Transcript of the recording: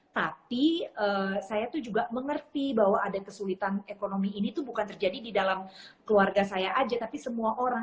tapi saya tuh juga mengerti bahwa ada kesulitan ekonomi ini tuh bukan terjadi di dalam keluarga saya aja tapi semua orang